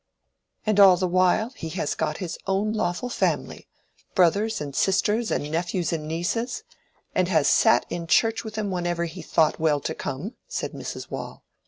"And all the while had got his own lawful family—brothers and sisters and nephews and nieces—and has sat in church with 'em whenever he thought well to come," said Mrs. Waule.